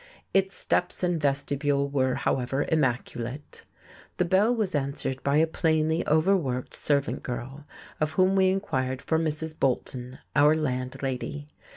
Its steps and vestibule were, however, immaculate. The bell was answered by a plainly overworked servant girl, of whom we inquired for Mrs. Bolton, our landlady.